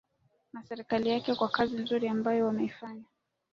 na serikali yake kwa kazi nzuri ambayo wameifanya